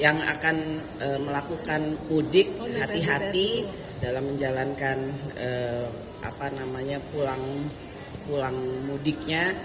yang akan melakukan mudik hati hati dalam menjalankan pulang mudiknya